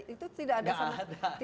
itu tidak ada sama sekali